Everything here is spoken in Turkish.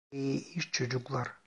İyi iş, çocuklar.